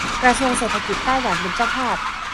กระทรวงเศรษฐกิจไต้หวันเป็นเจ้าภาพ